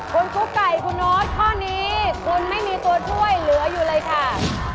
คุณฟุ๊กไก่คุณโน๊ตข้อนี้คุณไม่มีตัวช่วยเหลืออยู่เลยค่ะ